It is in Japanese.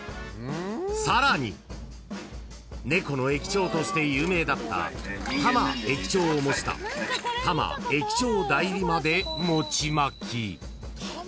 ［さらに猫の駅長として有名だったたま駅長を模したたま駅長代理まで餅まき］